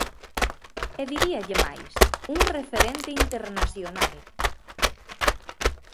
E diríalle máis, un referente internacional.